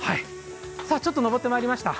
ちょっと上ってまいりました。